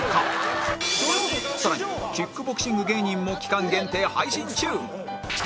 更にキックボクシング芸人も期間限定配信中